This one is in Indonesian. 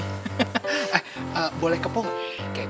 saya seneng liat kalian kompak kayak gini